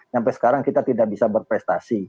sampai sekarang kita tidak bisa berprestasi